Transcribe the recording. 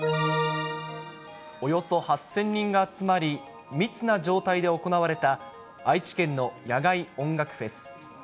およそ８０００人が集まり、密な状態で行われた愛知県の野外音楽フェス。